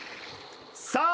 さあ